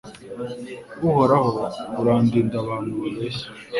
Uhoraho urandinde abantu babeshya